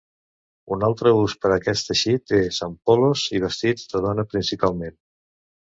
Un altre ús per aquest teixit és en polos i vestits de dona, principalment.